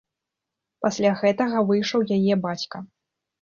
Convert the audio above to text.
Пасля гэтага выйшаў яе бацька.